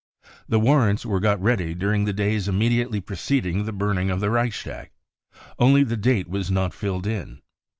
The warrants were got ready during the days immediately preceding the burning of the Reichstag. Only the date was not filled in.